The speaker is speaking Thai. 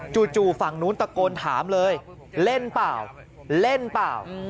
จู๊วฝั่งนู้นตะโกนถามเลยเล่นเปล่า